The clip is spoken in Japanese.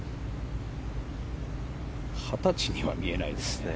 二十歳には見えないですね。